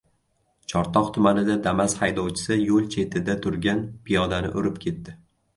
Chortoq tumanida "Damas" haydovchisi yo‘l chetida turgan piyodani urib ketdi